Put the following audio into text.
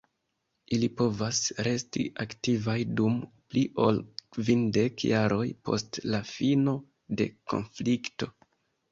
Ili povas resti aktivaj dum pli ol kvindek jaroj post la fino de konflikto.